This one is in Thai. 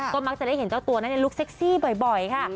ก็มักจะได้เห็นเจ้าตัวนั้นในลุคเซ็กซี่บ่อยค่ะ